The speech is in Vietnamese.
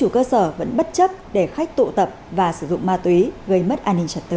chất để khách tụ tập và sử dụng ma túy gây mất an ninh trật tự